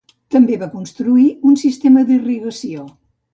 També va construir un sistema d'irrigació.